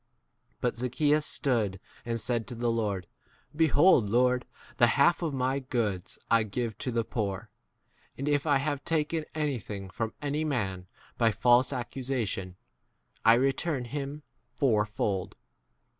But Zaccheeus stood and said to the Lord, Behold, Lord, the half of my goods I give to the poor, and if I have taken any thing from any man by false ac cusation, I return him fourfold.